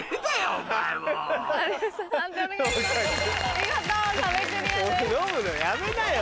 見事壁クリアです。